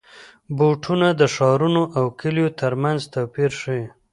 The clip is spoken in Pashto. بوټونه د ښارونو او کلیو ترمنځ توپیر ښيي.